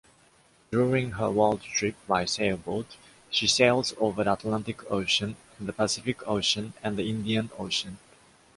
During her world trip by sailboat, she sails over the Atlantic Ocean, the Pacific Ocean and the Indian Ocean.